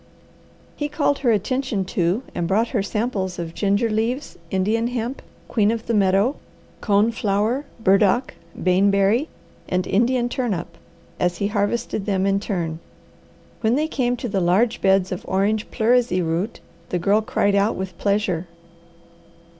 He called her attention to and brought her samples of ginger leaves, Indian hemp, queen of the meadow, cone flower, burdock, baneberry, and Indian turnip, as he harvested them in turn. When they came to the large beds of orange pleurisy root the Girl cried out with pleasure.